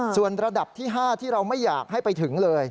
ส่วนระดับที่๕ที่เราไม่อยากให้ไปถึงเลย